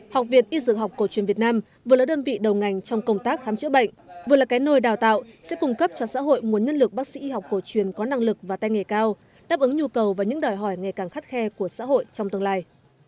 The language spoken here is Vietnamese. học viện y dược học cổ truyền việt nam vừa là đơn vị đầu ngành trong công tác khám chữa bệnh vừa là cái nồi đào tạo sẽ cung cấp cho xã hội nguồn nhân lực bác sĩ y học cổ truyền có năng lực và tay nghề cao đáp ứng nhu cầu và những đòi hỏi ngày càng khắt khe của xã hội trong tương lai